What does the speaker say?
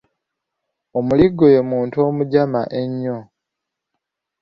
Omuligo ye muntu omujama ennyo.